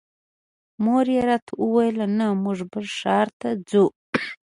مور مې راته وویل نه موږ بل ښار ته ځو.